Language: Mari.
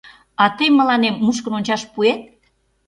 — А тый мыланем мушкын ончаш пуэт?